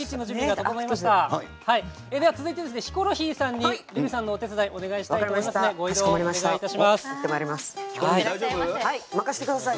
では、続いてヒコロヒーさんにレミさんのお手伝いをお願いしたいと思いますのでご移動お願いします。